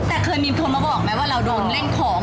แต่เคยมีคนมาบอกไหมว่าเราโดนเล่นของ